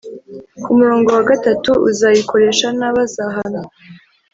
ku murongo wa gatatu Uzayikoresha nabi azahanwa